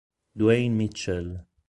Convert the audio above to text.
Dwayne Mitchell